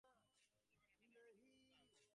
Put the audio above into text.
তুমি যখন এখানে, আমি তখন কোথায়?